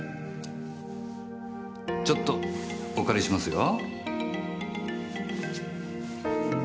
ちょっとお借りしますよ。